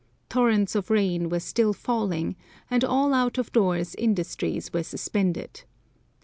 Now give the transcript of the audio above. Torrents of rain were still falling, and all out of doors industries were suspended.